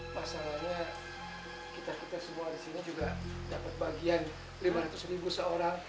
pasalnya kita kita semua di sini juga dapat bagian lima ratus ribu seorang